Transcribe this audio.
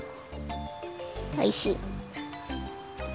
おいしい。